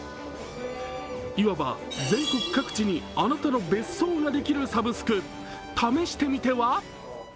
いわば全国各地にあなたの別荘ができるサブスク、試してみては。